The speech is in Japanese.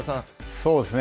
そうですね。